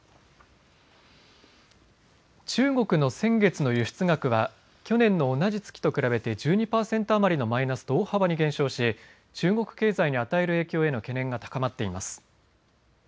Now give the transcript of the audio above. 中国の先月の輸出額は去年の同じ月と比べて１２％余りのマイナスと大幅に減少し中国経済に与える影響への懸念が高まっています。